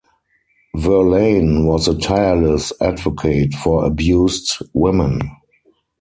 Verlaine was a tireless advocate for abused women.